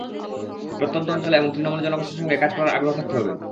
প্রত্যন্ত অঞ্চলে এবং তৃণমূল জনগোষ্ঠীর সঙ্গে কাজ করার আগ্রহ থাকতে হবে।